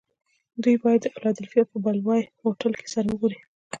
دوی باید د فلادلفیا په بلوویو هوټل کې سره و ګوري